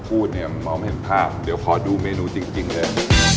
พูดเนี่ยมองไม่เห็นภาพเดี๋ยวขอดูเมนูจริงเลย